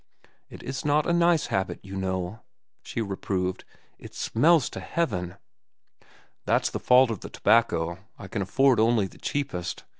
"It is not a nice habit, you know," she reproved. "It smells to heaven." "That's the fault of the tobacco. I can afford only the cheapest.